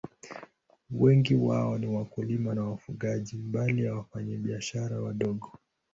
Wengi wao ni wakulima na wafugaji, mbali ya wafanyabiashara wadogo.